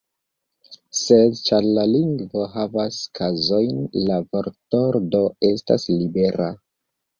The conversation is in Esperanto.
Sed, ĉar la lingvo havas kazojn, la vortordo estas libera.